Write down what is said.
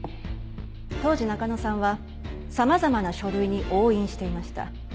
当時中野さんはさまざまな書類に押印していました。